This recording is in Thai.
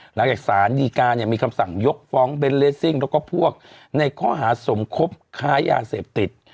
หลังจากสารดีการเนี่ยมีคำสั่งยกฟ้องเน้นเลสซิ่งแล้วก็พวกในข้อหาสมคบค้ายาเสพติด